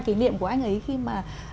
kỷ niệm của anh ấy khi mà